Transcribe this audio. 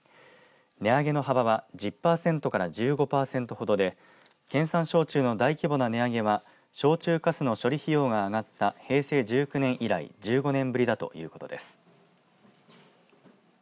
値上げの幅は１０パーセントから１５パーセントほどで県産焼酎の大規模な値上げは焼酎かすの処理費用が上がった平成１９年以来１５年ぶりだということです。